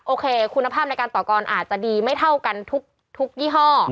โอเคคุณภาพในการต่อกรอาจจะดีไม่เท่ากันทุกยี่ห้อ